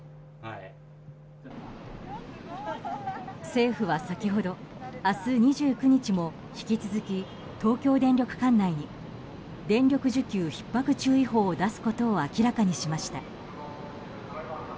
政府は先ほど、明日２９日も引き続き、東京電力管内に電力需給ひっ迫注意報を出すことを明らかにしました。